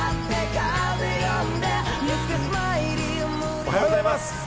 おはようございます。